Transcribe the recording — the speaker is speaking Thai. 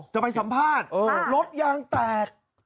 จะไปสัมภาษณ์รถยางแตก